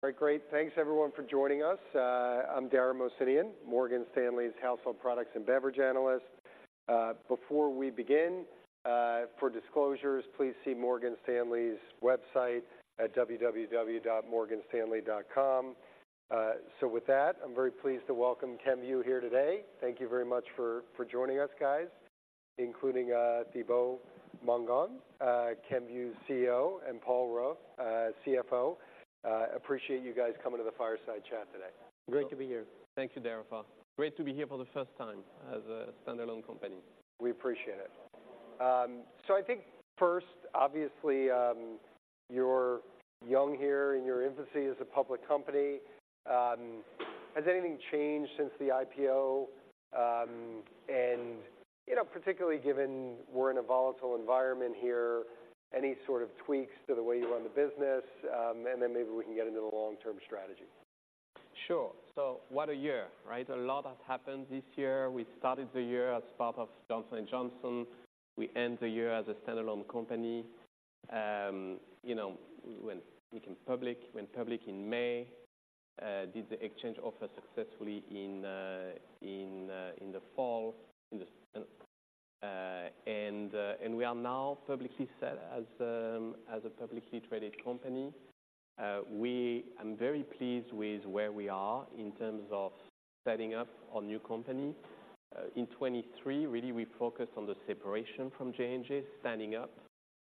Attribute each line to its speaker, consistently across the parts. Speaker 1: All right, great. Thanks everyone for joining us. I'm Dara Mohsenian, Morgan Stanley's Household Products and Beverage Analyst. Before we begin, for disclosures, please see Morgan Stanley's website at www.morganstanley.com. So with that, I'm very pleased to welcome Kenvue here today. Thank you very much for joining us, guys, including Thibaut Mongon, Kenvue's CEO, and Paul Ruh, CFO. Appreciate you guys coming to the Fireside Chat today.
Speaker 2: Great to be here. Thank you, Dara. Great to be here for the first time as a standalone company.
Speaker 1: We appreciate it. So I think first, obviously, you're young here in your infancy as a public company. Has anything changed since the IPO? And, you know, particularly given we're in a volatile environment here, any sort of tweaks to the way you run the business, and then maybe we can get into the long-term strategy.
Speaker 2: Sure. So what a year, right? A lot has happened this year. We started the year as part of Johnson & Johnson. We end the year as a standalone company. You know, we came public, went public in May, did the exchange offer successfully in the spring. And we are now publicly set as a publicly traded company. I'm very pleased with where we are in terms of setting up our new company. In 2023, really, we focused on the separation from J&J, standing up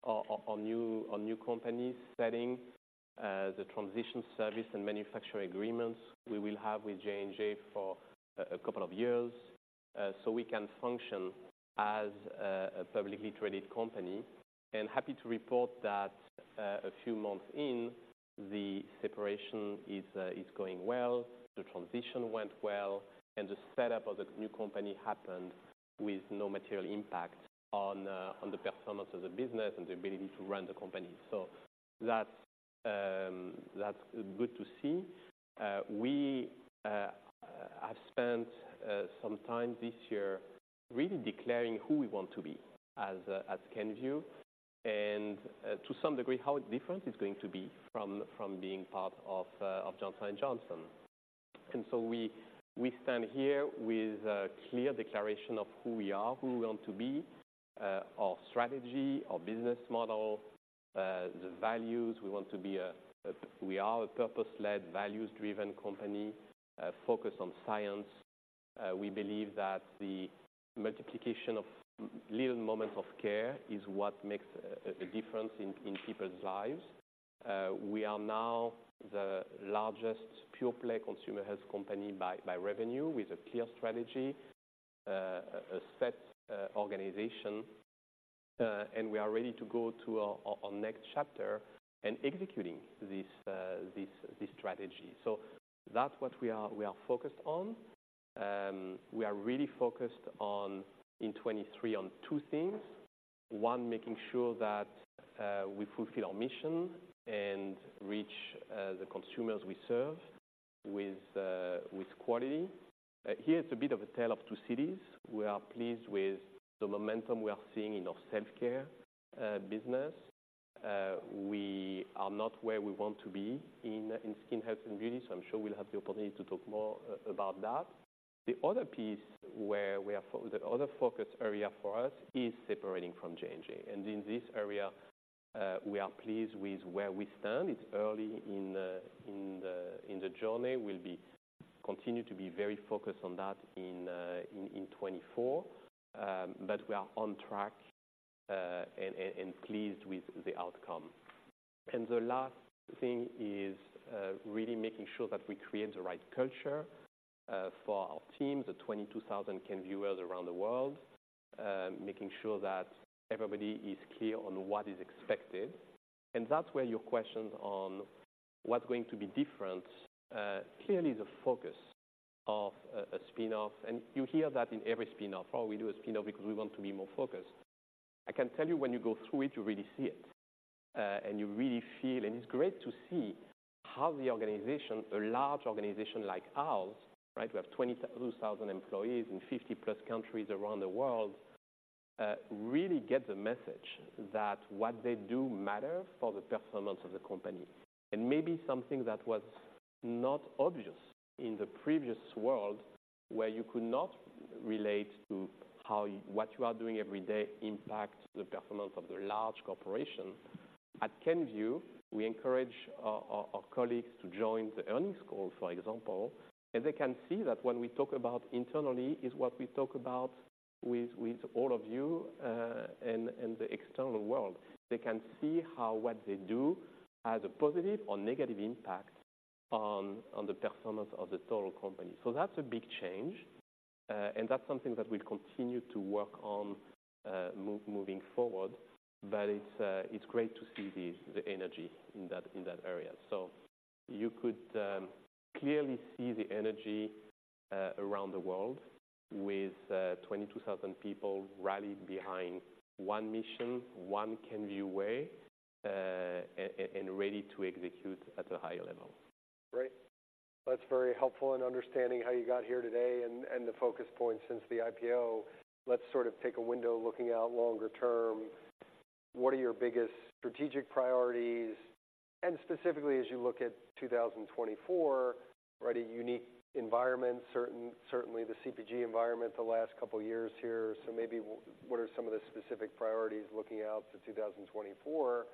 Speaker 2: our new company, setting the transition service and manufacturing agreements we will have with J&J for a couple of years, so we can function as a publicly traded company. Happy to report that, a few months in, the separation is going well, the transition went well, and the setup of the new company happened with no material impact on the performance of the business and the ability to run the company. So that's good to see. We have spent some time this year really declaring who we want to be as Kenvue, and to some degree, how different it's going to be from being part of Johnson & Johnson. And so we stand here with a clear declaration of who we are, who we want to be, our strategy, our business model, the values. We want to be a- we are a purpose-led, values-driven company focused on science. We believe that the multiplication of little moments of care is what makes a difference in people's lives. We are now the largest pure-play consumer health company by revenue, with a clear strategy, a set organization, and we are ready to go to our next chapter and executing this strategy. So that's what we are focused on. We are really focused on, in 2023, on two things. One, making sure that we fulfill our mission and reach the consumers we serve with quality. Here, it's a bit of a tale of two cities. We are pleased with the momentum we are seeing in our self-care business. We are not where we want to be in skin health and beauty, so I'm sure we'll have the opportunity to talk more about that. The other piece where we are the other focus area for us is separating from J&J. And in this area, we are pleased with where we stand. It's early in the journey. We'll be continue to be very focused on that in 2024. But we are on track and pleased with the outcome. And the last thing is really making sure that we create the right culture for our team, the 22,000 Kenvuers around the world. Making sure that everybody is clear on what is expected. And that's where your questions on what's going to be different, clearly the focus of a, a spin-off, and you hear that in every spin-off. "Oh, we do a spin-off because we want to be more focused." I can tell you when you go through it, you really see it, and you really feel, and it's great to see how the organization, a large organization like ours, right? We have 22,000 employees in 50+ countries around the world, really get the message that what they do matters for the performance of the company. And maybe something that was not obvious in the previous world, where you could not relate to how what you are doing every day impacts the performance of the large corporation. At Kenvue, we encourage our colleagues to join the earnings call, for example, and they can see that when we talk about internally is what we talk about with all of you, and the external world. They can see how what they do has a positive or negative impact on the performance of the total company. So that's a big change, and that's something that we'll continue to work on, moving forward. But it's great to see the energy in that area. So you could clearly see the energy around the world with 22,000 people rallied behind one mission, one Kenvue Way, and ready to execute at a higher level.
Speaker 1: Great. That's very helpful in understanding how you got here today and the focus points since the IPO. Let's sort of take a window looking out longer term. What are your biggest strategic priorities? And specifically, as you look at 2024, right, a unique environment, certainly the CPG environment the last couple of years here. So maybe what are some of the specific priorities looking out to 2024?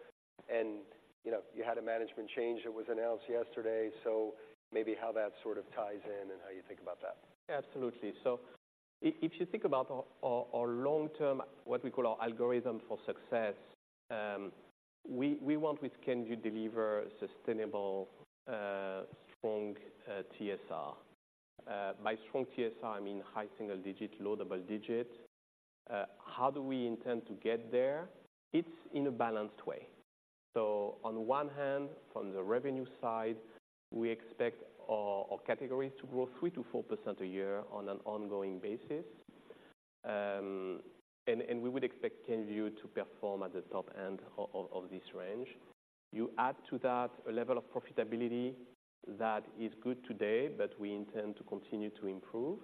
Speaker 1: And, you know, you had a management change that was announced yesterday, so maybe how that sort of ties in and how you think about that.
Speaker 2: Absolutely. So if you think about our long-term, what we call our algorithm for success, we want with Kenvue to deliver sustainable, strong TSR. By strong TSR, I mean high single-digit, low double-digit. How do we intend to get there? It's in a balanced way. So on one hand, from the revenue side, we expect our categories to grow 3%-4% a year on an ongoing basis. And we would expect Kenvue to perform at the top end of this range. You add to that a level of profitability that is good today, but we intend to continue to improve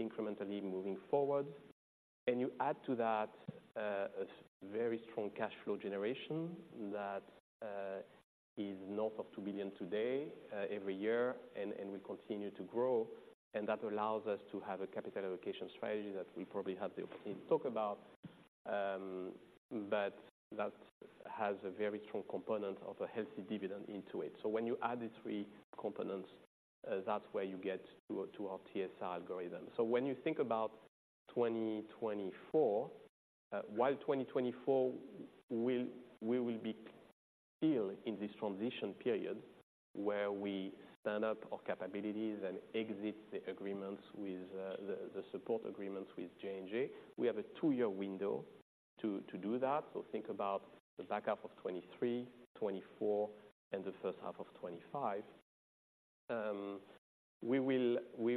Speaker 2: incrementally moving forward. And you add to that, a very strong cash flow generation that is north of $2 billion today, every year, and we continue to grow. That allows us to have a capital allocation strategy that we probably have the opportunity to talk about, but that has a very strong component of a healthy dividend into it. So when you add the three components, that's where you get to our TSR algorithm. So when you think about 2024, while 2024, we will be still in this transition period where we stand up our capabilities and exit the agreements with the support agreements with J&J. We have a 2-year window to do that. So think about the back half of 2023, 2024, and the first half of 2025. We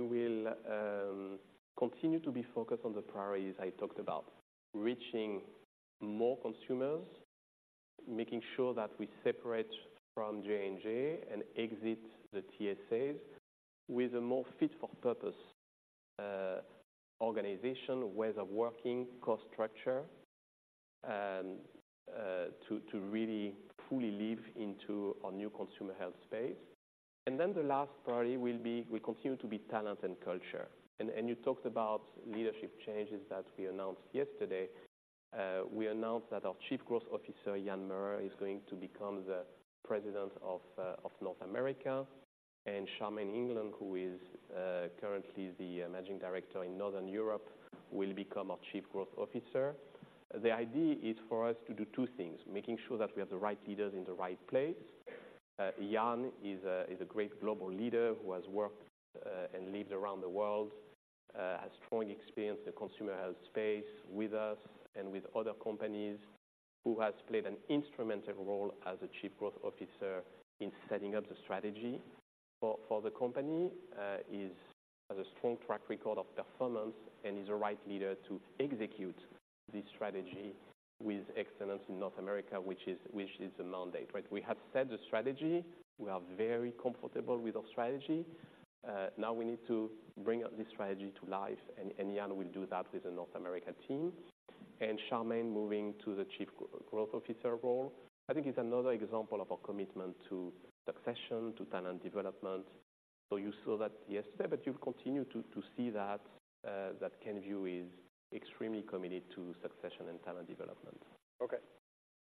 Speaker 2: will continue to be focused on the priorities I talked about, reaching more consumers, making sure that we separate from J&J and exit the TSAs with a more fit-for-purpose organization, ways of working, cost structure, to really fully live into our new consumer health space. And then the last priority will continue to be talent and culture. And you talked about leadership changes that we announced yesterday. We announced that our Chief Growth Officer, Jan Meurer, is going to become the President of North America, and Charmaine England, who is currently the Managing Director in Northern Europe, will become our Chief Growth Officer. The idea is for us to do two things: making sure that we have the right leaders in the right place. Jan is a great global leader who has worked and lived around the world, has strong experience in the consumer health space with us and with other companies, who has played an instrumental role as a Chief Growth Officer in setting up the strategy for the company, has a strong track record of performance and is the right leader to execute this strategy with excellence in North America, which is a mandate, right? We have set the strategy. We are very comfortable with our strategy. Now we need to bring up this strategy to life, and Jan will do that with the North America team. Charmaine moving to the Chief Growth Officer role, I think is another example of our commitment to succession, to talent development. So you saw that yesterday, but you've continued to see that Kenvue is extremely committed to succession and talent development.
Speaker 1: Okay.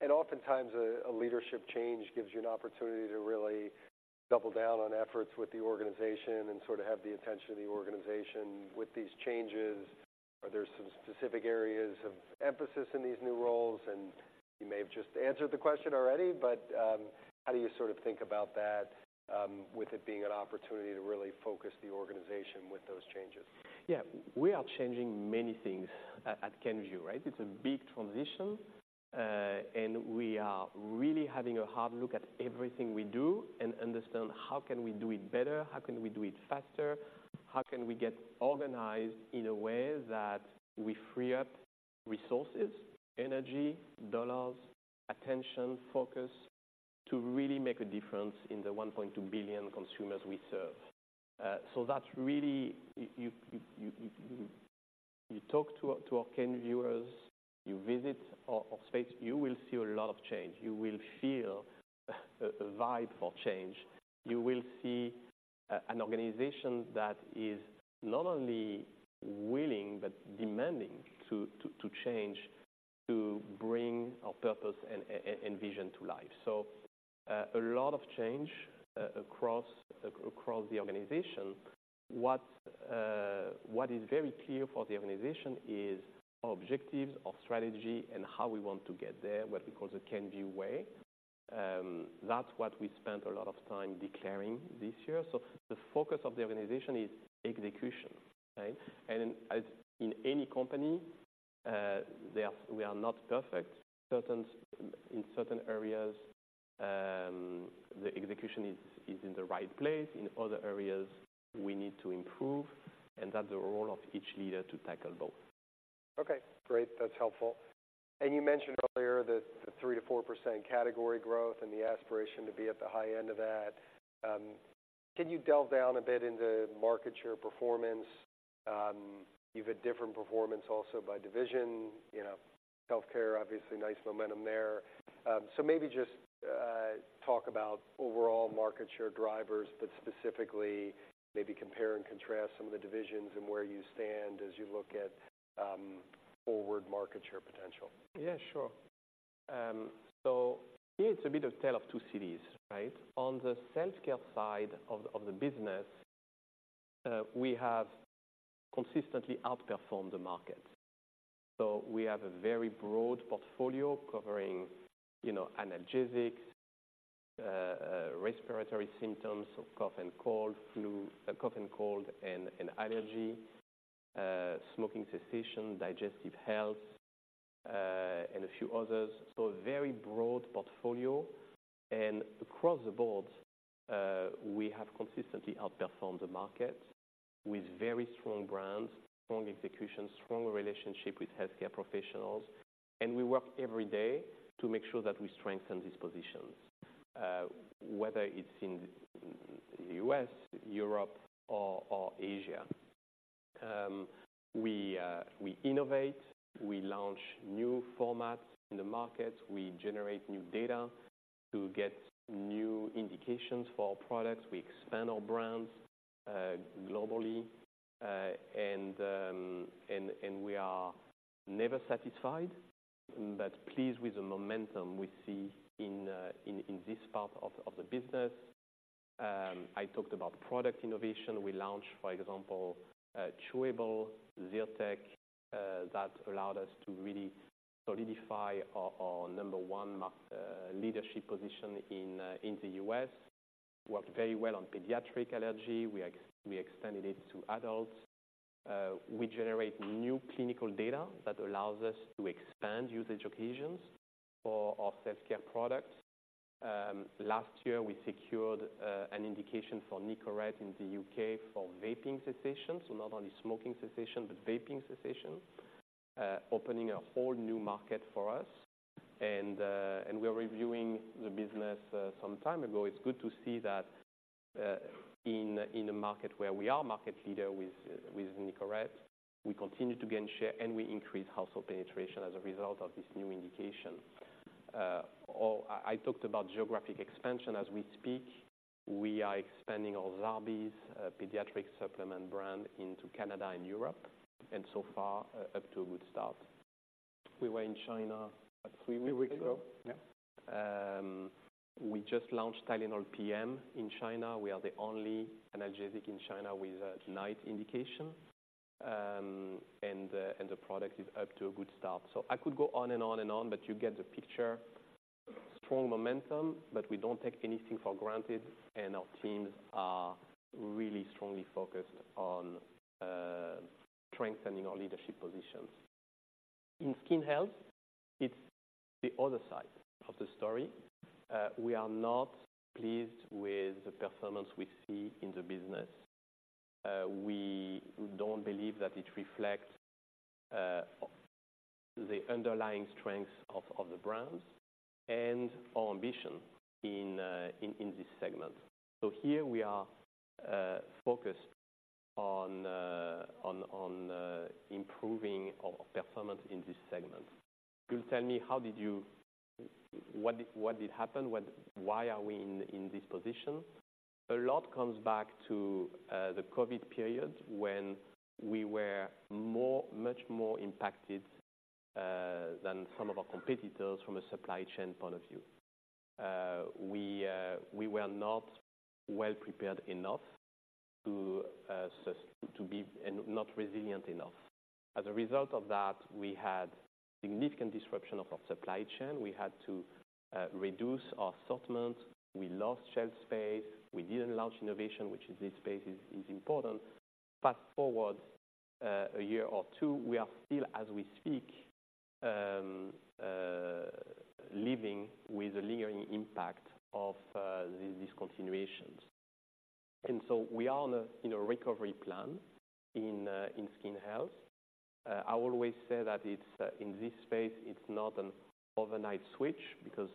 Speaker 1: Oftentimes, a leadership change gives you an opportunity to really double down on efforts with the organization and sort of have the attention of the organization. With these changes, are there some specific areas of emphasis in these new roles? You may have just answered the question already, but how do you sort of think about that, with it being an opportunity to really focus the organization with those changes?
Speaker 2: Yeah, we are changing many things at Kenvue, right? It's a big transition, and we are really having a hard look at everything we do and understand how can we do it better, how can we do it faster, how can we get organized in a way that we free up resources, energy, dollars, attention, focus, to really make a difference in the 1.2 billion consumers we serve. So that's really... You talk to our Kenvuers, you visit our space, you will see a lot of change. You will feel a vibe for change. You will see an organization that is not only willing, but demanding to change, to bring our purpose and vision to life. So, a lot of change across the organization. What is very clear for the organization is our objectives, our strategy, and how we want to get there, what we call the Kenvue way. That's what we spent a lot of time declaring this year. So the focus of the organization is execution, right? And as in any company, they are—we are not perfect. Certain, in certain areas, the execution is in the right place. In other areas, we need to improve, and that's the role of each leader to tackle both.
Speaker 1: Okay, great. That's helpful. You mentioned earlier that the 3%-4% category growth and the aspiration to be at the high end of that. Can you delve down a bit into market share performance? You've had different performance also by division, you know, healthcare, obviously nice momentum there. So maybe just talk about overall market share drivers, but specifically maybe compare and contrast some of the divisions and where you stand as you look at forward market share potential.
Speaker 2: Yeah, sure. So it's a bit of a tale of two cities, right? On the self-care side of the business, we have consistently outperformed the market. So we have a very broad portfolio covering, you know, analgesics, respiratory symptoms, so cough and cold, flu, cough and cold and allergy, smoking cessation, digestive health, and a few others. So a very broad portfolio, and across the board, we have consistently outperformed the market with very strong brands, strong execution, strong relationship with healthcare professionals, and we work every day to make sure that we strengthen these positions, whether it's in the U.S., Europe or Asia. We innovate, we launch new formats in the market. We generate new data to get new indications for our products. We expand our brands globally, and we are never satisfied, but pleased with the momentum we see in this part of the business. I talked about product innovation. We launched, for example, chewable Zyrtec that allowed us to really solidify our number one market leadership position in the U.S. Worked very well on pediatric allergy. We extended it to adults. We generate new clinical data that allows us to expand usage occasions for our self-care products. Last year, we secured an indication for Nicorette in the U.K. for vaping cessation. So not only smoking cessation, but vaping cessation, opening a whole new market for us. We are reviewing the business some time ago. It's good to see that, in a market where we are market leader with Nicorette, we continue to gain share and we increase household penetration as a result of this new indication. Or I talked about geographic expansion as we speak, we are expanding our Zarbee's pediatric supplement brand into Canada and Europe, and so far, up to a good start. We were in China, like, three weeks ago?
Speaker 1: Three weeks ago, yeah.
Speaker 2: We just launched Tylenol PM in China. We are the only analgesic in China with a night indication. And the product is up to a good start. So I could go on and on and on, but you get the picture. Strong momentum, but we don't take anything for granted, and our teams are really strongly focused on strengthening our leadership positions. In skin health, it's the other side of the story. We are not pleased with the performance we see in the business. We don't believe that it reflects the underlying strengths of the brands and our ambition in this segment. So here we are, focused on improving our performance in this segment. You'll tell me, how did you... What did happen? What- why are we in this position? A lot comes back to the COVID period, when we were more, much more impacted than some of our competitors from a supply chain point of view. We were not well prepared enough, and not resilient enough. As a result of that, we had significant disruption of our supply chain. We had to reduce our assortment, we lost shelf space, we didn't launch innovation, which in this space is important. Fast forward a year or two, we are still, as we speak, living with the lingering impact of these discontinuations. And so we are on a recovery plan in skin health. I always say that it's in this space, it's not an overnight switch because,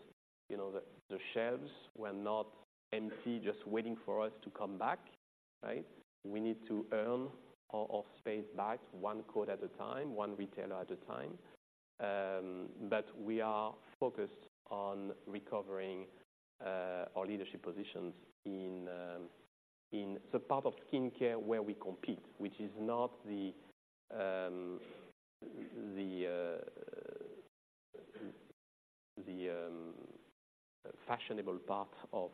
Speaker 2: you know, the shelves were not empty, just waiting for us to come back, right? We need to earn our space back, one code at a time, one retailer at a time. But we are focused on recovering our leadership positions in the part of skincare where we compete, which is not the fashionable part of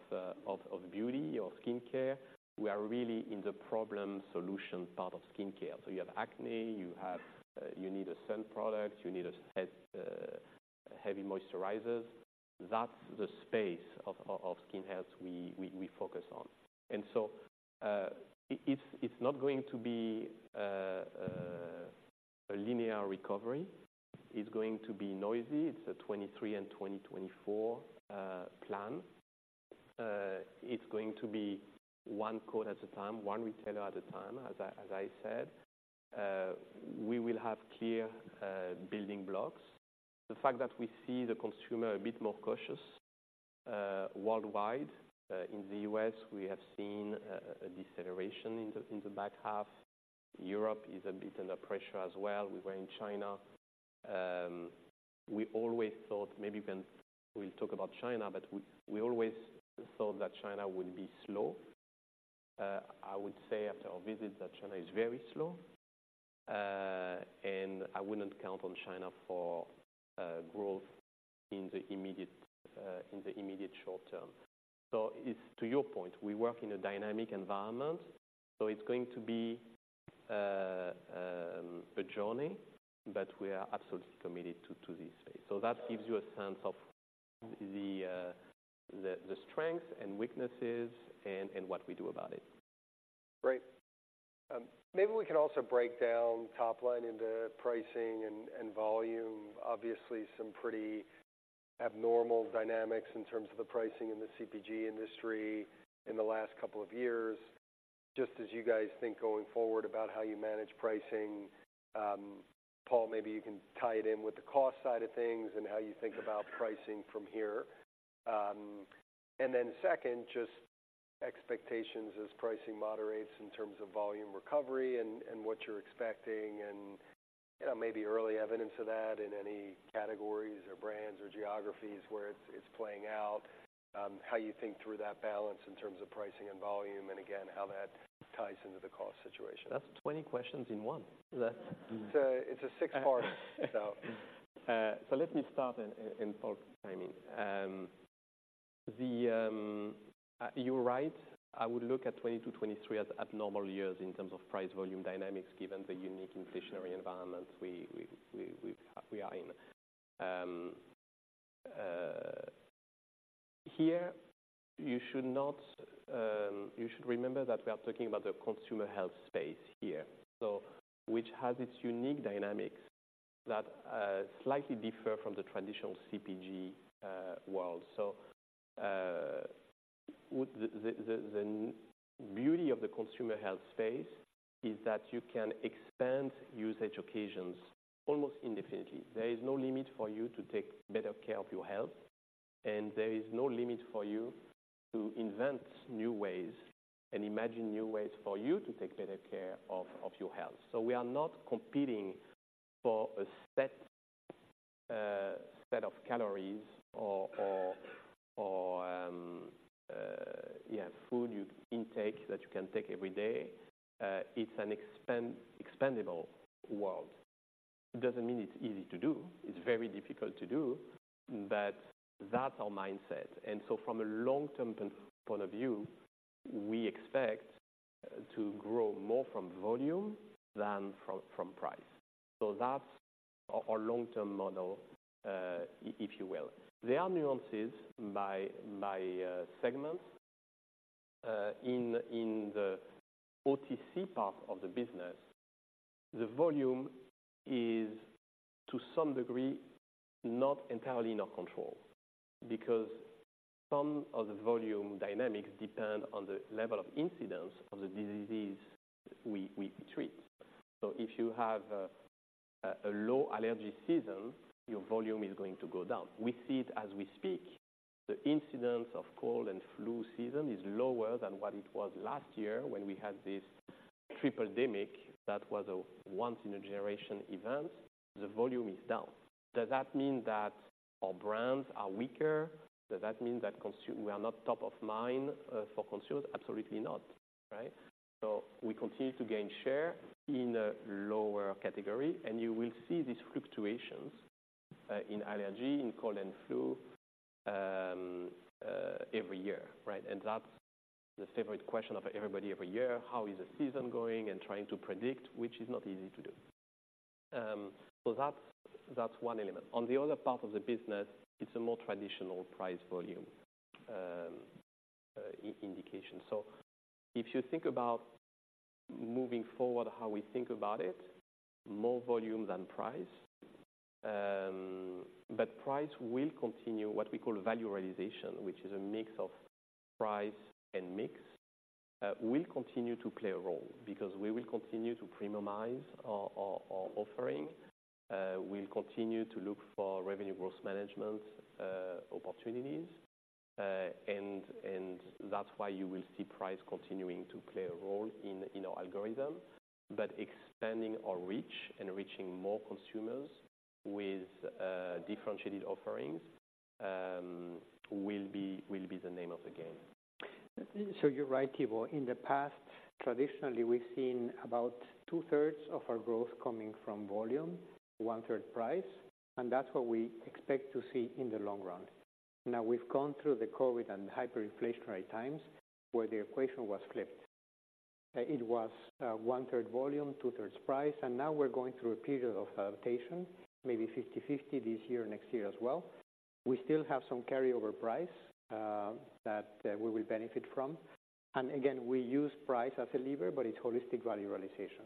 Speaker 2: beauty or skincare. We are really in the problem-solution part of skincare. So you have acne, you need a sun product, you need a heavy moisturizers. That's the space of skin health we focus on. And so, it's not going to be a linear recovery. It's going to be noisy. It's a 2023 and 2024 plan. It's going to be one code at a time, one retailer at a time. As I said, we will have clear building blocks. The fact that we see the consumer a bit more cautious worldwide. In the U.S., we have seen a deceleration in the back half. Europe is a bit under pressure as well. We were in China. We always thought maybe when we'll talk about China, but we always thought that China would be slow. I would say after our visit that China is very slow, and I wouldn't count on China for growth in the immediate short term. So it's to your point, we work in a dynamic environment, so it's going to be a journey, but we are absolutely committed to this space. So that gives you a sense of the strengths and weaknesses and what we do about it.
Speaker 1: Great. Maybe we can also break down top line into pricing and volume. Obviously, some pretty abnormal dynamics in terms of the pricing in the CPG industry in the last couple of years. Just as you guys think going forward about how you manage pricing, Paul, maybe you can tie it in with the cost side of things and how you think about pricing from here. And then second, just expectations as pricing moderates in terms of volume recovery and what you're expecting and maybe early evidence of that in any categories or brands or geographies where it's playing out, how you think through that balance in terms of pricing and volume, and again, how that ties into the cost situation.
Speaker 2: That's 20 questions in one.
Speaker 1: It's a six-part, so.
Speaker 2: So let me start and Paul, chime in. You're right, I would look at 2022, 2023 as abnormal years in terms of price-volume dynamics, given the unique inflationary environment we are in. Here, you should not— You should remember that we are talking about the consumer health space here, so which has its unique dynamics that slightly differ from the traditional CPG World. So the beauty of the consumer health space is that you can expand usage occasions almost indefinitely. There is no limit for you to take better care of your health, and there is no limit for you to invent new ways and imagine new ways for you to take better care of your health. So we are not competing for a set of calories or food you intake that you can take every day. It's an expendable world. It doesn't mean it's easy to do. It's very difficult to do, but that's our mindset. And so from a long-term point of view, we expect to grow more from volume than from price. So that's our long-term model, if you will. There are nuances by segments. In the OTC part of the business, the volume is to some degree, not entirely in our control, because some of the volume dynamics depend on the level of incidence of the disease we treat. So if you have a low allergy season, your volume is going to go down. We see it as we speak. The incidence of cold and flu season is lower than what it was last year when we had this triple demic that was a once-in-a-generation event. The volume is down. Does that mean that our brands are weaker? Does that mean that we are not top of mind for consumers? Absolutely not, right? So we continue to gain share in a lower category, and you will see these fluctuations in allergy, in cold and flu, every year, right? And that's the favorite question of everybody every year: how is the season going? And trying to predict, which is not easy to do. So that's one element. On the other part of the business, it's a more traditional price volume indication. So if you think about moving forward, how we think about it, more volume than price. But price will continue, what we call value realization, which is a mix of price and mix, will continue to play a role because we will continue to premiumize our offering. We'll continue to look for revenue growth management opportunities, and that's why you will see price continuing to play a role in our algorithm. But expanding our reach and reaching more consumers with differentiated offerings, will be the name of the game.
Speaker 3: So you're right, Thibaut. In the past, traditionally, we've seen about 2/3 of our growth coming from volume, 1/3 price, and that's what we expect to see in the long run. Now, we've gone through the COVID and hyperinflationary times where the equation was flipped. It was 1/3 volume, 2/3 price, and now we're going through a period of adaptation, maybe 50/50 this year, next year as well. We still have some carryover price that we will benefit from. And again, we use price as a lever, but it's holistic value realization.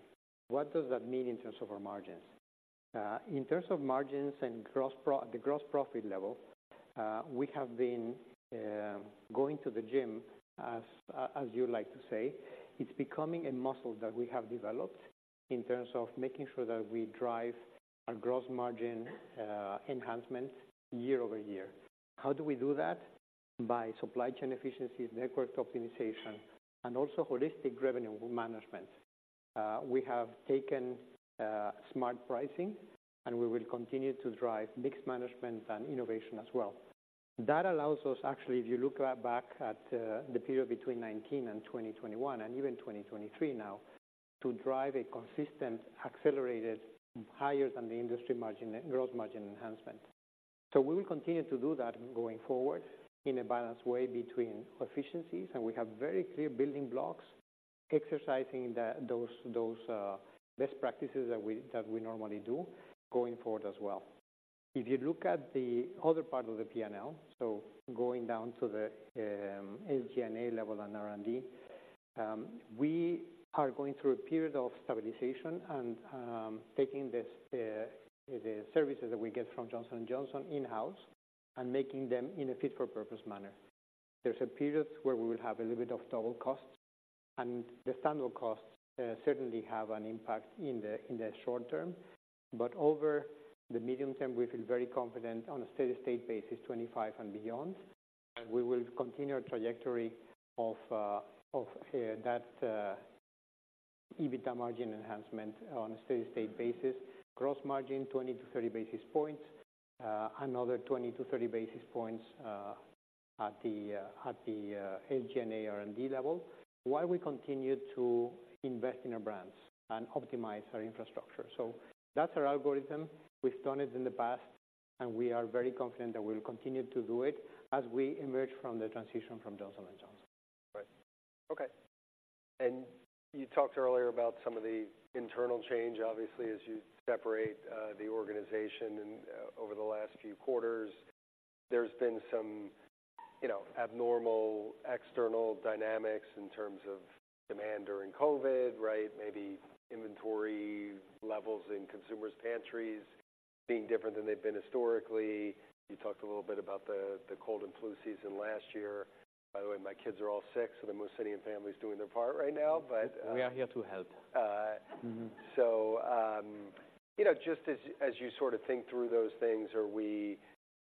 Speaker 3: What does that mean in terms of our margins? In terms of margins and gross profit level, we have been going to the gym, as you like to say. It's becoming a muscle that we have developed. In terms of making sure that we drive a gross margin enhancement year over year. How do we do that? By supply chain efficiency, network optimization, and also holistic revenue management. We have taken smart pricing, and we will continue to drive mixed management and innovation as well. That allows us actually, if you look back at the period between 2019 and 2021, and even 2023 now, to drive a consistent, accelerated, higher than the industry margin, gross margin enhancement. So we will continue to do that going forward in a balanced way between efficiencies, and we have very clear building blocks, exercising those best practices that we normally do going forward as well. If you look at the other part of the P&L, so going down to the SG&A level and R&D, we are going through a period of stabilization and taking the services that we get from Johnson & Johnson in-house and making them in a fit-for-purpose manner. There's a period where we will have a little bit of double costs, and the standalone costs certainly have an impact in the short term. But over the medium term, we feel very confident on a steady state basis, 2025 and beyond, that we will continue our trajectory of that EBITDA margin enhancement on a steady state basis. Gross margin, 20-30 basis points, another 20-30 basis points, at the SG&A R&D level, while we continue to invest in our brands and optimize our infrastructure. So that's our algorithm. We've done it in the past, and we are very confident that we'll continue to do it as we emerge from the transition from Johnson & Johnson.
Speaker 1: Right. Okay. And you talked earlier about some of the internal change, obviously, as you separate the organization and, over the last few quarters, there's been some, you know, abnormal external dynamics in terms of demand during COVID, right? Maybe inventory levels in consumers' pantries being different than they've been historically. You talked a little bit about the cold and flu season last year. By the way, my kids are all sick, so the Mohsenian family is doing their part right now, but-
Speaker 2: We are here to help.
Speaker 1: So, you know, just as you sort of think through those things, are we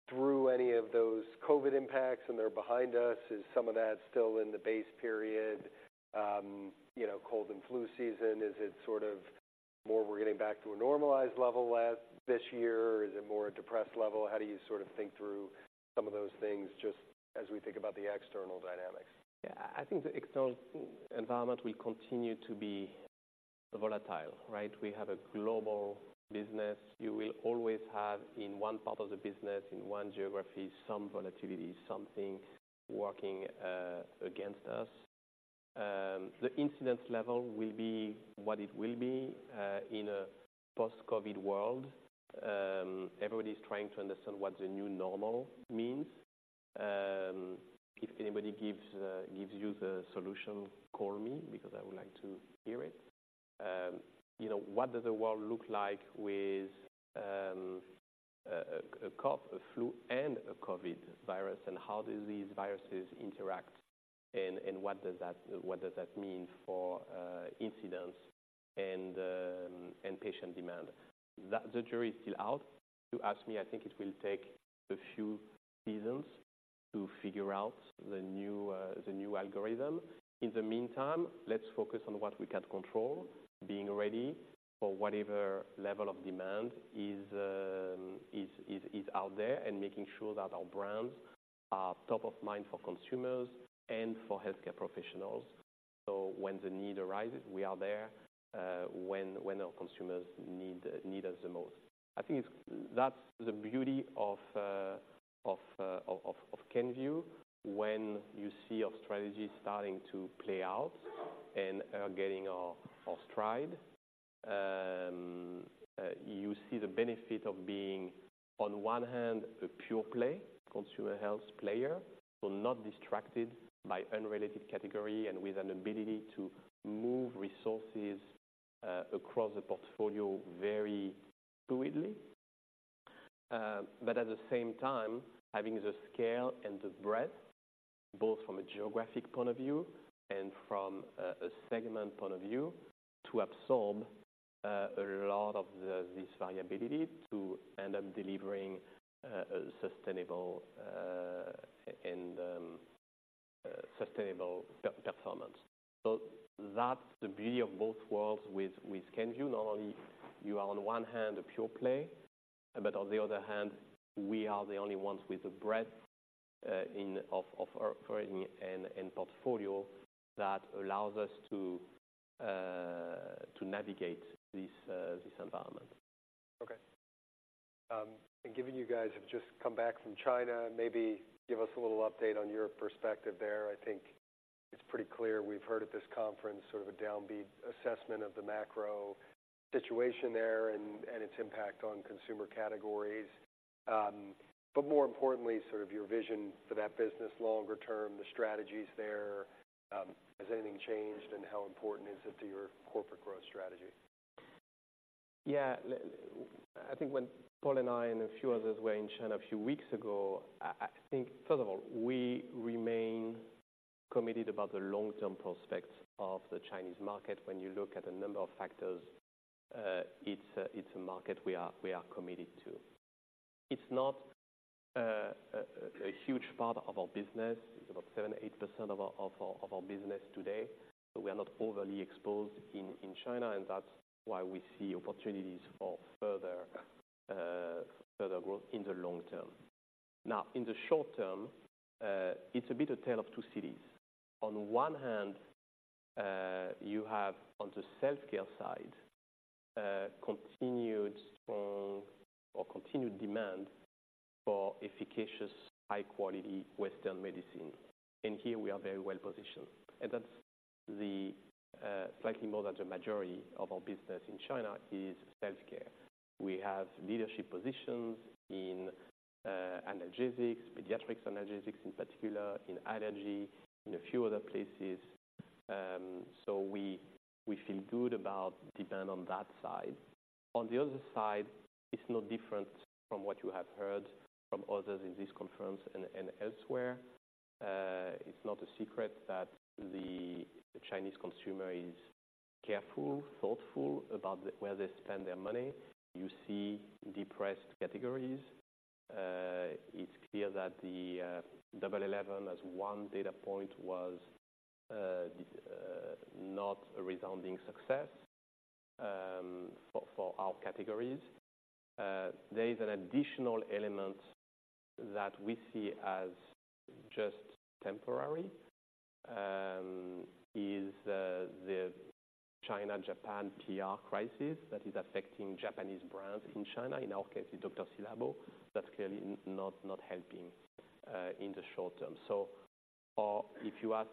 Speaker 1: through any of those COVID impacts and they're behind us? Is some of that still in the base period, you know, cold and flu season, is it sort of more we're getting back to a normalized level this year, or is it more a depressed level? How do you sort of think through some of those things just as we think about the external dynamics?
Speaker 2: Yeah, I think the external environment will continue to be volatile, right? We have a global business. You will always have, in one part of the business, in one geography, some volatility, something working against us. The incident level will be what it will be in a post-COVID world. Everybody's trying to understand what the new normal means. If anybody gives you the solution, call me, because I would like to hear it. You know, what does the world look like with a cough, a flu, and a COVID virus, and how do these viruses interact, and what does that mean for incidents and patient demand? That. The jury is still out. If you ask me, I think it will take a few seasons to figure out the new algorithm. In the meantime, let's focus on what we can control, being ready for whatever level of demand is out there, and making sure that our brands are top of mind for consumers and for healthcare professionals. So when the need arises, we are there, when our consumers need us the most. I think it's... That's the beauty of Kenvue. When you see our strategy starting to play out and, getting our stride, you see the benefit of being, on one hand, a pure play, consumer health player, so not distracted by unrelated category and with an ability to move resources, across the portfolio very fluidly. But at the same time, having the scale and the breadth, both from a geographic point of view and from a segment point of view, to absorb a lot of this variability to end up delivering a sustainable performance. So that's the beauty of both worlds with Kenvue. Not only you are, on one hand, a pure play, but on the other hand, we are the only ones with the breadth in operating and portfolio that allows us to navigate this environment.
Speaker 1: Okay. And given you guys have just come back from China, maybe give us a little update on your perspective there. I think it's pretty clear we've heard at this conference sort of a downbeat assessment of the macro situation there and, and its impact on consumer categories. But more importantly, sort of your vision for that business longer term, the strategies there, has anything changed, and how important is it to your corporate growth strategy?
Speaker 2: Yeah, I think when Paul and I and a few others were in China a few weeks ago, I think, first of all, we remain committed about the long-term prospects of the Chinese market. When you look at a number of factors, it's a market we are committed to. It's not a huge part of our business. It's about 7%-8% of our business today, so we are not overly exposed in China, and that's why we see opportunities for further growth in the long term. Now, in the short term, it's a bit of Tale of Two Cities. On one hand, you have, on the self-care side, continued strong or continued demand for efficacious, high-quality Western medicine, and here we are very well positioned. And that's the slightly more than the majority of our business in China is self-care. We have leadership positions in analgesics, pediatrics analgesics in particular, in allergy, in a few other places. So we, we feel good about demand on that side. On the other side, it's no different from what you have heard from others in this conference and elsewhere. It's not a secret that the Chinese consumer is careful, thoughtful, about where they spend their money. You see depressed categories. It's clear that the Double Eleven as one data point was not a resounding success for our categories. There is an additional element that we see as just temporary is the China-Japan PR crisis that is affecting Japanese brands in China. In our case, it's Dr. Ci:Labo. That's clearly not helping in the short term. So, if you ask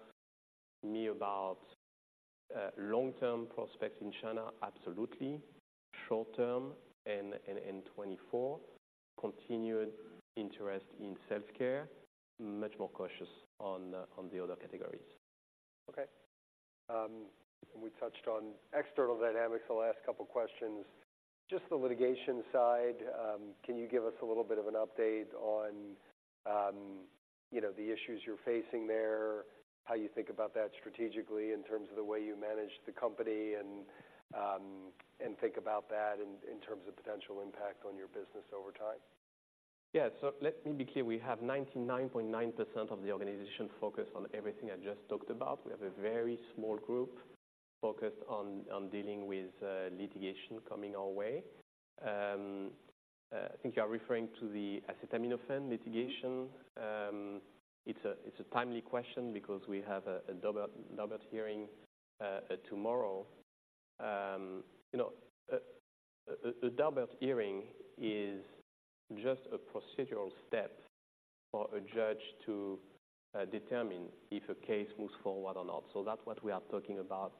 Speaker 2: me about long-term prospects in China, absolutely. Short term and in 2024, continued interest in self-care, much more cautious on the other categories.
Speaker 1: Okay. We touched on external dynamics, the last couple of questions. Just the litigation side, can you give us a little bit of an update on, you know, the issues you're facing there, how you think about that strategically in terms of the way you manage the company and think about that in terms of potential impact on your business over time?
Speaker 2: Yeah. So let me be clear. We have 99.9% of the organization focused on everything I just talked about. We have a very small group focused on dealing with litigation coming our way. I think you are referring to the acetaminophen litigation. It's a timely question because we have a Daubert hearing tomorrow. You know, a Daubert hearing is just a procedural step for a judge to determine if a case moves forward or not. So that's what we are talking about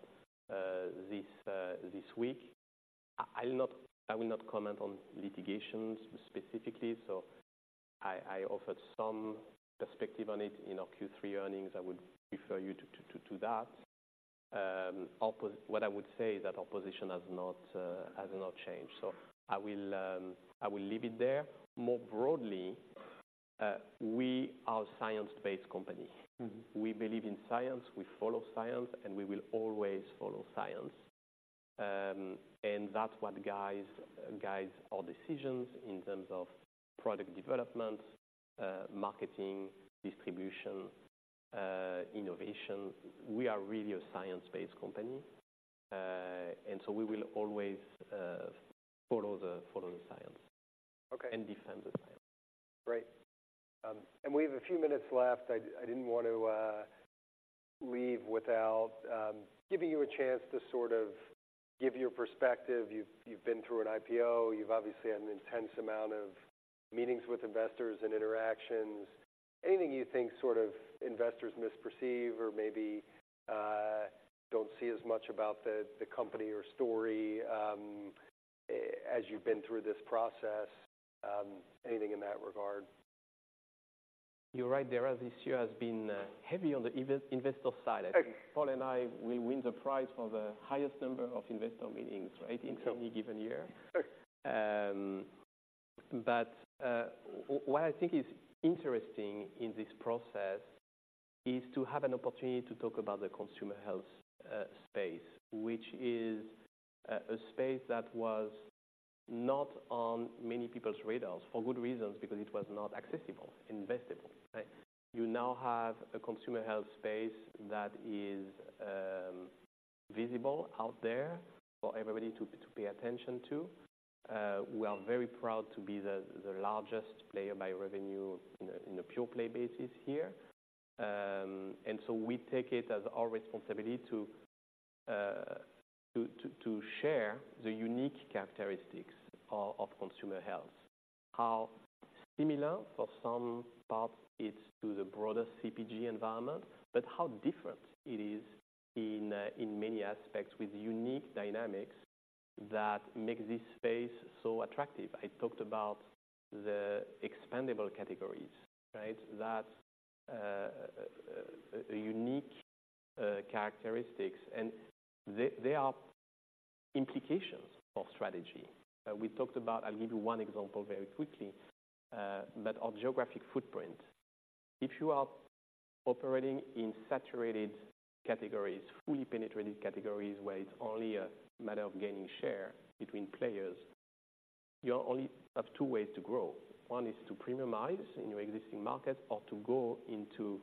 Speaker 2: this week. I will not comment on litigation specifically, so I offered some perspective on it in our Q3 earnings. I would refer you to that. What I would say is that our position has not, has not changed, so I will, I will leave it there. More broadly, we are a science-based company.
Speaker 1: Mm-hmm.
Speaker 2: We believe in science, we follow science, and we will always follow science. And that's what guides our decisions in terms of product development, marketing, distribution, innovation. We are really a science-based company, and so we will always follow the science.
Speaker 1: Okay.
Speaker 2: And defend the science.
Speaker 1: Great. And we have a few minutes left. I didn't want to leave without giving you a chance to sort of give your perspective. You've been through an IPO, you've obviously had an intense amount of meetings with investors and interactions. Anything you think sort of investors misperceive or maybe don't see as much about the company or story as you've been through this process, anything in that regard?
Speaker 2: You're right, Dara, this year has been heavy on the investor side.
Speaker 1: Right.
Speaker 2: Paul and I, we win the prize for the highest number of investor meetings, right?
Speaker 1: Sure.
Speaker 2: In any given year.
Speaker 1: Sure.
Speaker 2: What I think is interesting in this process is to have an opportunity to talk about the consumer health space, which is a space that was not on many people's radars for good reasons, because it was not accessible, investable, right? You now have a consumer health space that is visible out there for everybody to pay attention to. We are very proud to be the largest player by revenue in a pure play basis here. And so we take it as our responsibility to share the unique characteristics of consumer health. How similar, for some parts, it's to the broader CPG environment, but how different it is in many aspects, with unique dynamics that make this space so attractive. I talked about the expandable categories, right? That's unique characteristics, and they, they are implications for strategy. We talked about—I'll give you one example very quickly, but our geographic footprint. If you are operating in saturated categories, fully penetrated categories, where it's only a matter of gaining share between players, you only have two ways to grow. One is to premiumize in your existing markets or to go into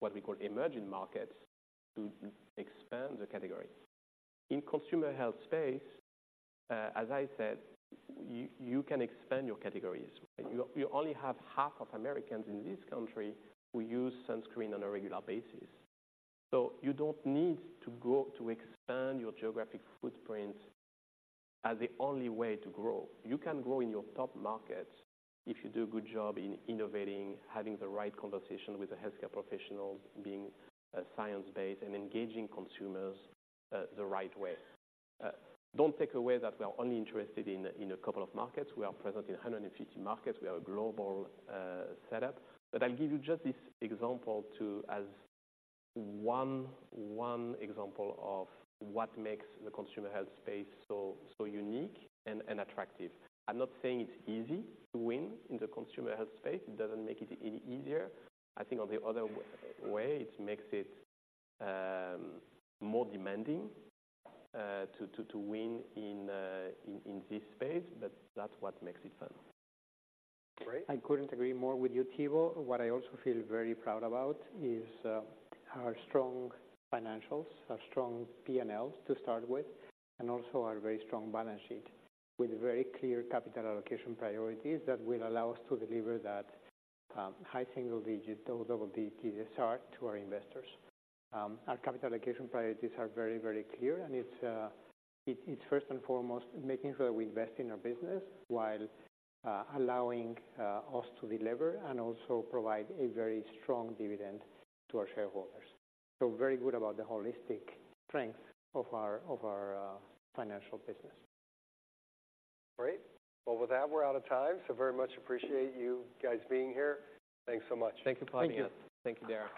Speaker 2: what we call emerging markets, to expand the category. In consumer health space, as I said, you, you can expand your categories. You, you only have half of Americans in this country who use sunscreen on a regular basis. So you don't need to go to expand your geographic footprint as the only way to grow. You can grow in your top markets if you do a good job in innovating, having the right conversation with the healthcare professionals, being, science-based and engaging consumers, the right way. Don't take away that we are only interested in a couple of markets. We are present in 150 markets. We are a global setup. But I'll give you just this example to... As one example of what makes the consumer health space so unique and attractive. I'm not saying it's easy to win in the consumer health space. It doesn't make it any easier. I think on the other way, it makes it more demanding to win in this space, but that's what makes it fun.
Speaker 1: Great.
Speaker 3: I couldn't agree more with you, Thibaut. What I also feel very proud about is our strong financials, our strong P&Ls to start with, and also our very strong balance sheet, with very clear capital allocation priorities that will allow us to deliver that high single-digit, double-digit start to our investors. Our capital allocation priorities are very, very clear, and it's first and foremost making sure that we invest in our business while allowing us to deliver and also provide a very strong dividend to our shareholders. So very good about the holistic strength of our financial business.
Speaker 1: Great. Well, with that, we're out of time, so very much appreciate you guys being here. Thanks so much.
Speaker 3: Thank you for having me.
Speaker 2: Thank you.
Speaker 3: Thank you, Dara.